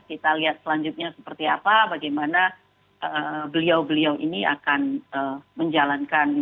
kita lihat selanjutnya seperti apa bagaimana beliau beliau ini akan menjalankan